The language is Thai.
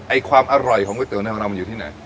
ความอร่อยของก๋วยเตี๋ยวในของเรามันอยู่ที่ไหน